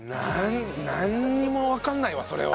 なんにもわかんないわそれは。